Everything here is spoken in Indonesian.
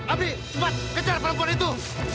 amri cepat kejar perempuan itu